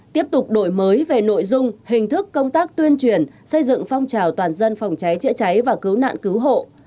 tiếp tục đổi mới về nội dung hình thức công tác tuyên truyền xây dựng phong trào toàn dân phòng cháy chữa cháy và cứu nạn cứu hộ